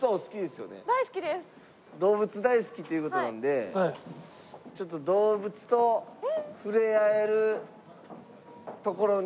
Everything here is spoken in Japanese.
動物大好きっていう事なのでちょっと動物と触れ合える所に。